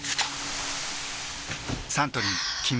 サントリー「金麦」